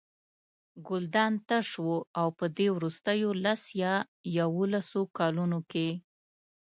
ګلدان تش و او په دې وروستیو لس یا یوولسو کلونو کې.